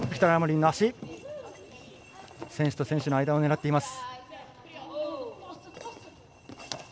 選手と選手の間を狙っています。